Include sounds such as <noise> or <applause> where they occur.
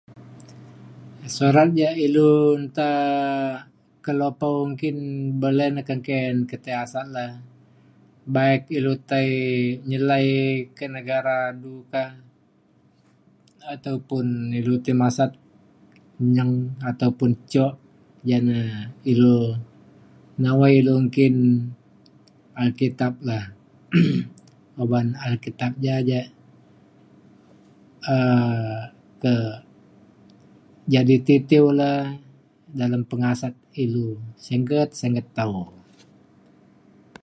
surat ja ilu nta ke lopau nggin bele ne kengke ke tei asat le baik ilu tai nyelai ke negara du ka ataupun ilu tai masat nyeng ataupun jok ja ne ilu nawai ilu nggin alkitab le <coughs> uban alkitab ja ja um ke jadi titew le dalam pengasat ilu singget singget tau